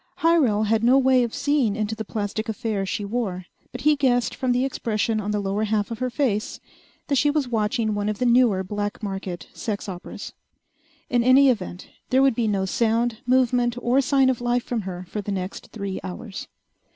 Hyrel had no way of seeing into the plastic affair she wore, but he guessed from the expression on the lower half of her face that she was watching one of the newer black market sex operas. In any event, there would be no sound, movement, or sign of life from her for the next three hours.